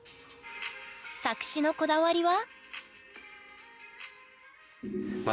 作詞のこだわりは？